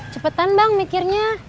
cepetan bang mikirnya